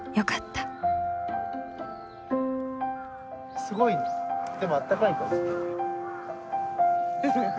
すごいでもあったかい。